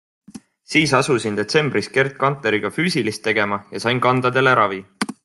Siis asusin detsembris Gerd Kanteriga füüsilist tegema ja sain kandadele ravi.